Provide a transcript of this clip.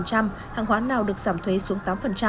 hàng hóa nào được giảm thuế xuống tám